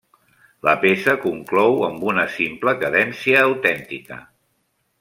La peça conclou amb una simple cadència autèntica.